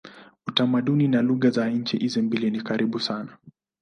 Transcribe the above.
Utamaduni na lugha za nchi hizi mbili ni karibu sana.